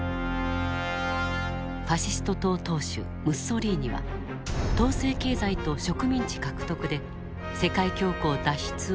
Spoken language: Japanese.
ファシスト党党首ムッソリーニは統制経済と植民地獲得で世界恐慌脱出を目指した。